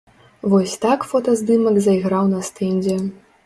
Вось так фотаздымак зайграў на стэндзе.